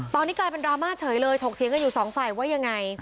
ตอนนี้กลายเป็นดราม่าเฉยเลยถกเถียงกันอยู่สองฝ่ายว่ายังไง